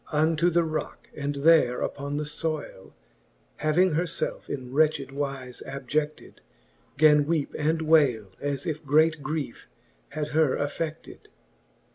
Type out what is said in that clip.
Unto the rocke, and there upon the fbyle Having her felfe in wretched wize abjecied, Gan weepe and wayle, as if great griefe had her afFeded.